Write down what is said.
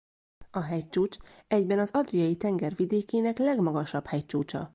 A hegycsúcs egyben az Adriai-tenger vidékének legmagasabb hegycsúcsa.